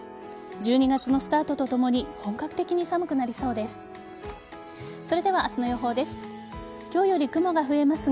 １２月のスタートとともに本格的に寒くなりそうです。